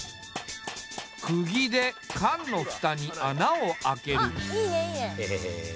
くぎで缶の蓋に穴を開ける。